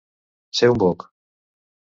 Ser un boc.